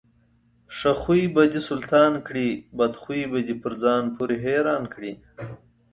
ښه خوى به دسلطان کړي، بدخوى به دپرځان پورې حيران کړي.